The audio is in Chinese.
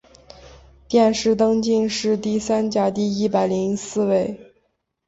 殿试登进士第三甲第一百零四名。